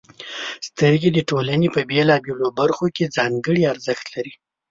• سترګې د ټولنې په بېلابېلو برخو کې ځانګړې ارزښت لري.